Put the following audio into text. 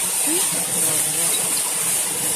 Aquí é ao revés.